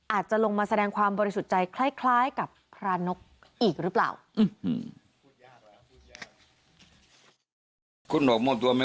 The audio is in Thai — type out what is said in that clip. อาจจะลงมาแสดงความบริสุทธิ์ใจคล้ายกับพระนกอีกหรือเปล่า